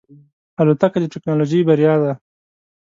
الوتکه د ټکنالوژۍ بریا ده.